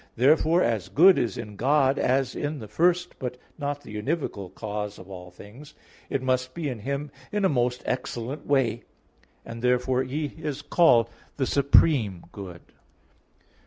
Therefore as good is in God as in the first, but not the univocal, cause of all things, it must be in Him in a most excellent way; and therefore He is called the supreme good.